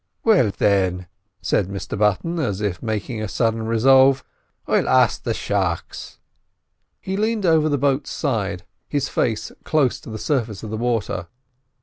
"Well, thin," said Mr Button, as if making a sudden resolve, "I'll ax the sharks." He leaned over the boat's side, his face close to the surface of the water.